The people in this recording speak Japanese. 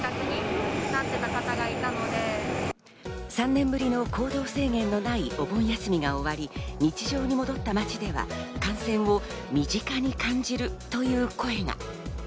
３年ぶりの行動制限のないお盆休みが終わり、日常が戻った街では、感染を身近に感じるという声が。